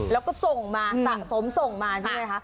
แล้วก็ส่งมาสะสมส่งมาใช่ไหมคะ